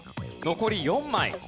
残り４枚。